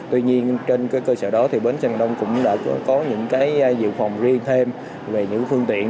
tuy nhiên trên cơ sở đó thì bến xe miền đông cũng đã có những dự phòng riêng thêm về những phương tiện